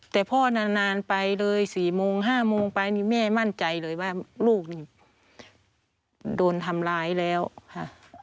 แต่พ่อนานไปเลย๔โมง๕โมงไปนี่แม่มั่นใจเลยว่าลูกนี่โดนทำร้ายแล้วค่ะ